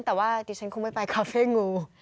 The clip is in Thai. แต่ว่าดิฉันคงไม่ไปคาเฟ่งู